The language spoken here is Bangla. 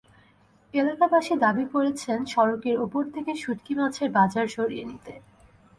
এলাকাবাসী দাবি করেছেন, সড়কের ওপর থেকে শুঁটকি মাছের বাজার সরিয়ে নিতে।